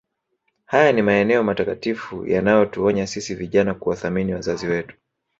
Haya ni maneno matakatifu yanayotuonya sisi vijana kuwathamini wazazi wetu